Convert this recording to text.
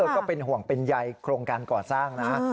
ก็เป็นห่วงเป็นใยโครงการก่อสร้างนะ